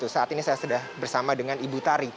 saat ini saya sudah bersama dengan ibu tari